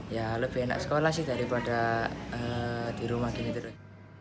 ya lebih enak sekolah sih daripada di rumah gini terus